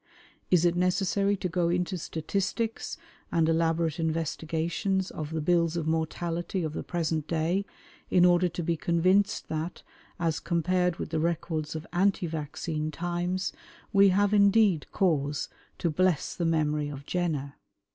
Is it necessary to go into statistics and elaborate investigations of the bills of mortality of the present day in order to be convinced that, as compared with the records of anti vaccine times, we have indeed cause to bless the memory of Jenner?